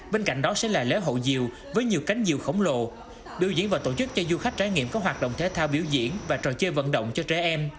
bên cạnh đó sẽ là lễ hậu diều với nhiều cánh diều khổng lồ biểu diễn và tổ chức cho du khách trải nghiệm các hoạt động thể thao biểu diễn và trò chơi vận động cho trẻ em